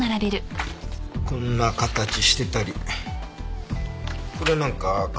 こんな形してたりこれなんかかすれてたり。